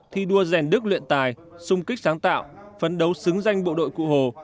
thi đua rèn đức luyện tài sung kích sáng tạo phấn đấu xứng danh bộ đội cụ hồ